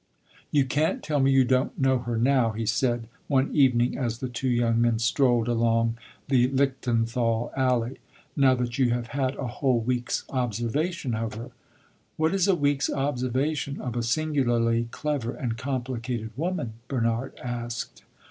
"You can't tell me you don't know her now," he said, one evening as the two young men strolled along the Lichtenthal Alley "now that you have had a whole week's observation of her." "What is a week's observation of a singularly clever and complicated woman?" Bernard asked.